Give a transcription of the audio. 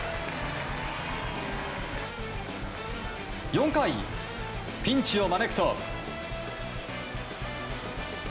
４回、ピンチを招くと。